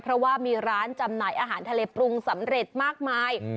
เพราะว่ามีร้านจำหน่ายอาหารทะเลปรุงสำเร็จมากมาย